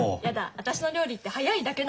私の料理って早いだけなの。